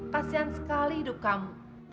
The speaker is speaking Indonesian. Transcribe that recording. kasian sekali hidup kamu